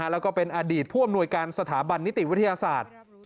แล้วก็เป็นอดีตผู้อำนวยการสถาบันนิติวิทยาศาสตร์